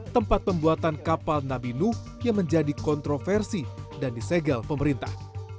tempat pembuatan kapal nabi nuh yang menjadi kontroversi dan disegel pemerintah